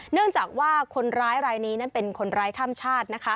เนื่องจากว่าคนร้ายรายนี้นั้นเป็นคนร้ายข้ามชาตินะคะ